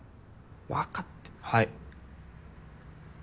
わかってはい。